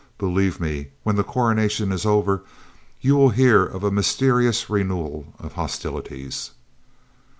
Believe me, when the Coronation is over you will hear of a mysterious renewal of hostilities."